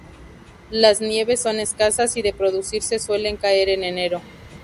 Las nieves son escasas y de producirse suelen caer en enero.